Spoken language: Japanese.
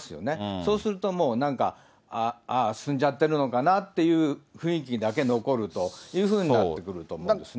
そうするともう、なんか、ああ進んじゃってるのかなっていう、雰囲気だけ残るというふうになってくると思うんですね。